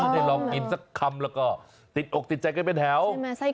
ได้ลองกินสักคำแล้วก็ติดอกติดใจกันเป็นแถว